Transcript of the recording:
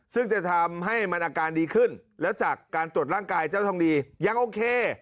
ซึ่งจะทำให้มันอาการดีขึ้นแล้วจากการตรวจร่างกายเจ้าทองดียังโอเค